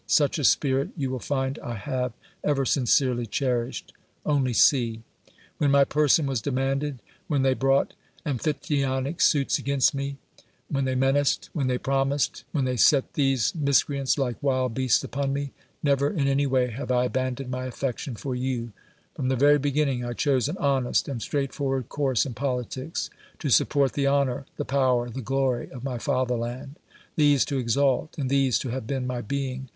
Such a spirit, you will find, I have ever sincerely cherished. Only see. When my person was demanded — when they brought Am phictyonic suits against me — when they menaced — when they promised — when they set these mis creants like vvild beasts upon me — never in any way have I abandoned my affection for you From the very beginning I chose an honest and straightforward course in politics, to support the honor, the power, the glory of my fatherland. these to exalt, in these to have been my being.